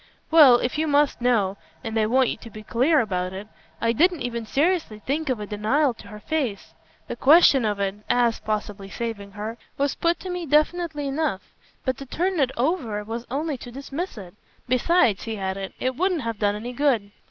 "Well, if you must know and I want you to be clear about it I didn't even seriously think of a denial to her face. The question of it AS possibly saving her was put to me definitely enough; but to turn it over was only to dismiss it. Besides," he added, "it wouldn't have done any good."